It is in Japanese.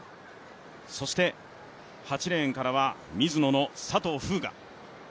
そして８レーンからはミズノの佐藤風雅。